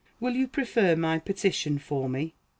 Will you prefer my petition for me?